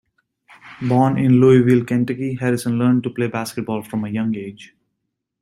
Born in Louisville, Kentucky, Harrison learned to play basketball from a young age.